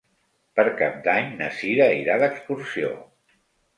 Per Cap d'Any na Sira irà d'excursió.